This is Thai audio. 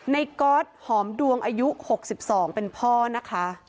ก๊อตหอมดวงอายุ๖๒เป็นพ่อนะคะ